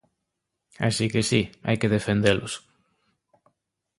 Así que si, hai que defendelos.